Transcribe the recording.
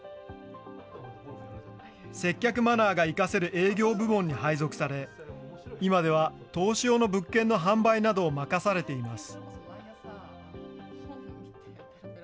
接客マナーが生かせる営業部門に配属され、今では投資用の物件の販売などを任されています。